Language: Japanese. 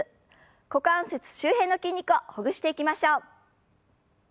股関節周辺の筋肉をほぐしていきましょう。